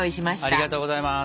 ありがとうございます。